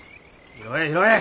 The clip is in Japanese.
拾え拾え！